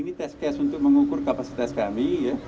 ini tes tes untuk mengukur kapasitas kami